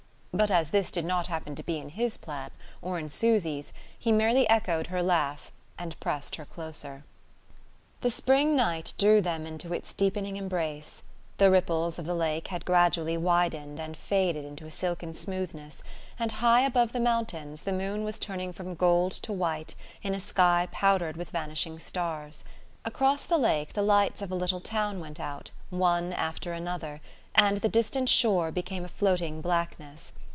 But as this did not happen to be in his plan, or in Susy's, he merely echoed her laugh and pressed her closer. The spring night drew them into its deepening embrace. The ripples of the lake had gradually widened and faded into a silken smoothness, and high above the mountains the moon was turning from gold to white in a sky powdered with vanishing stars. Across the lake the lights of a little town went out, one after another, and the distant shore became a floating blackness.